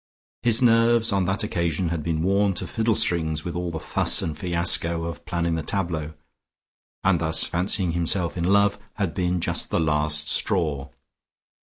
His nerves on that occasion had been worn to fiddlestrings with all the fuss and fiasco of planning the tableaux, and thus fancying himself in love had been just the last straw.